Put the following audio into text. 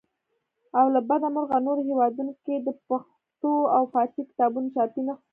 او له بده مرغه نورو هیوادونو کې د پښتو او فارسي کتابونو چاپي نخسې.